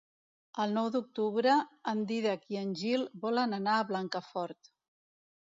El nou d'octubre en Dídac i en Gil volen anar a Blancafort.